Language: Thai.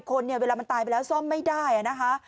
คนเนี่ยเวลามันตายไปแล้วซ่อมไม่ได้นะคะ